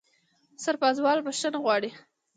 سرپازوال بښنه وغوښته.